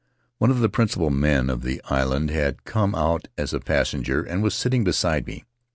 One of the principal men of the island had come out as a passenger and was sitting beside me.